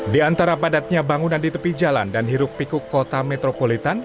di antara padatnya bangunan di tepi jalan dan hiruk pikuk kota metropolitan